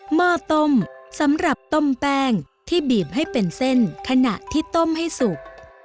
ห้อต้มสำหรับต้มแป้งที่บีบให้เป็นเส้นขณะที่ต้มให้สุก